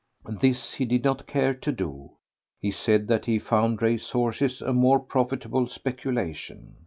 This he did not care to do; he said that he found race horses a more profitable speculation.